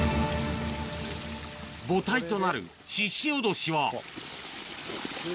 母体となるししおどしは。